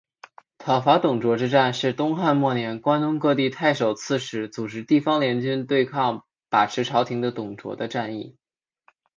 讨伐董卓之战是东汉末年关东各地太守刺史组织地方联军对抗把持朝廷的董卓的战役。